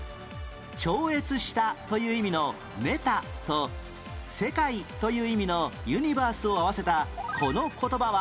「超越した」という意味の「メタ」と「世界」という意味の「ユニバース」を合わせたこの言葉は？